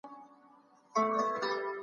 موږ دا نخښي زده کوو.